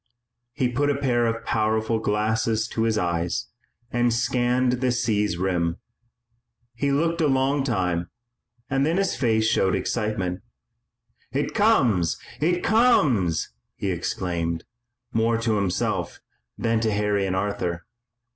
He put a pair of powerful glasses to his eyes and scanned the sea's rim. He looked a long time, and then his face showed excitement. "It comes! It comes!" he exclaimed, more to himself than to Harry and Arthur.